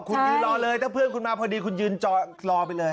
คุณยืนรอเลยถ้าเพื่อนคุณมาพอดีคุณยืนจอรอไปเลย